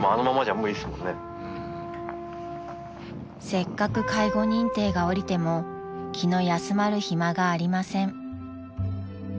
［せっかく介護認定が下りても気の休まる暇がありません］